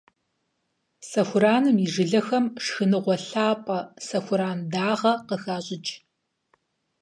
Сэхураным и жылэхэм шхыныгъуэ лъапӀэ - сэхуран дагъэ - къыхащӀыкӀ.